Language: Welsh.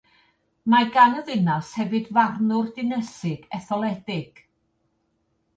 Mae gan y ddinas hefyd farnwr dinesig etholedig.